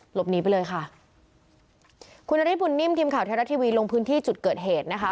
หลบหนีไปเลยค่ะคุณนฤทธบุญนิ่มทีมข่าวไทยรัฐทีวีลงพื้นที่จุดเกิดเหตุนะคะ